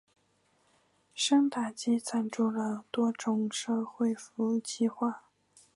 山达基赞助了多种社会服务计画。